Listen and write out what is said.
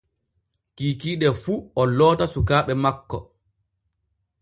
Kikiiɗe fu o loota sukaaɓe makko.